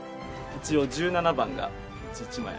一応１７番がうち１枚。